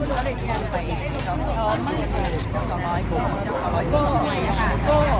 แล้วไม่มีชื่อไม่มีชื่อของพวกมันใส่ร้ายประชาชนเพื่อที่จะให้ทำตลาดทำเลเผยงรอย